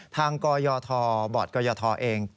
ทางกรยธรบอร์ดกรยธรเอง